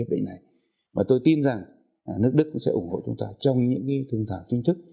tôi nói là tôi đã công tác ở bốn nước khác nhau